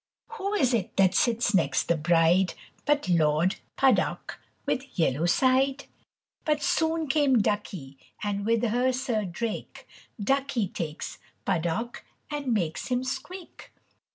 Who is it that sits next the bride But Lord Puddock with yellow side? But soon came Duckie and with her Sir Drake; Duckie takes Puddock and makes him squeak.